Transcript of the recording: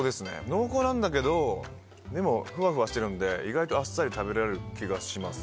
濃厚なんだけどでもふわふわしてるんで意外とあっさり食べられる気がします。